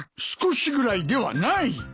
「少しぐらい」ではない！